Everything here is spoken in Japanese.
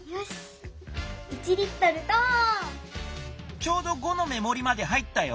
ちょうど５の目もりまで入ったよ。